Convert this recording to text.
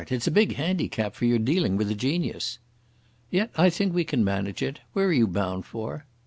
It's a big handicap, for you're dealing with a genius." "Yet I think we can manage it. Where are you bound for?"